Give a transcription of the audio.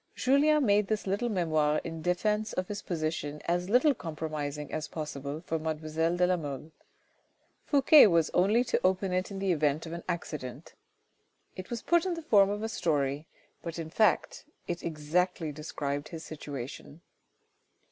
Julien made this little memoir in defence of his position as little compromising as possible for mademoiselle de la Mole. Fouque was only to open it in the event of an accident. It was put in the form of a story, but in fact it exactly described his situation.